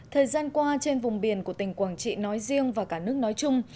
thời gian qua trên vùng biển của tỉnh quảng trị nói riêng và cả nước nói chung